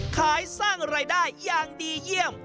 ขายสร้างรายได้อย่างดีเยี่ยม